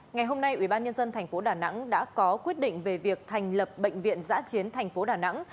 ngày hôm nay ubnd tp đà nẵng đã có quyết định về việc thành lập bệnh viện giã chiến thành phố đà nẵng